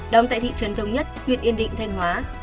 đóng tại thị trấn thống nhất huyện yên định thanh hóa